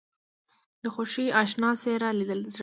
د خوښۍ اشنا څېره لیدل زړه خوشحالوي